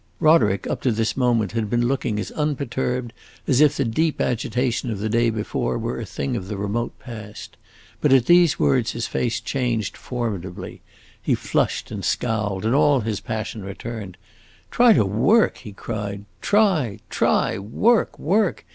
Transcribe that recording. Roderick, up to this moment, had been looking as unperturbed as if the deep agitation of the day before were a thing of the remote past. But at these words his face changed formidably; he flushed and scowled, and all his passion returned. "Try to work!" he cried. "Try try! work work!